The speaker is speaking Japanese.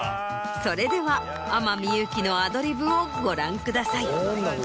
それでは天海祐希のアドリブをご覧ください。